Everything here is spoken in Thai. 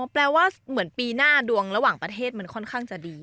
แปลว่าเหมือนปีหน้าดวงระหว่างประเทศมันค่อนข้างจะดี